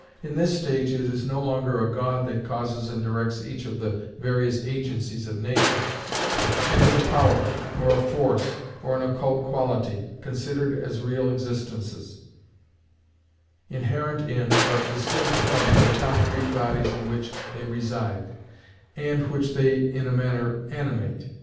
In this stage it is no longer a god that causes and directs each of the various agencies of nature: it is a power, or a force, or an occult quality, considered as real existences, inherent in but distinct from the concrete bodies in which they reside, and which they in a manner animate.